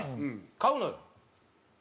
買うのよ。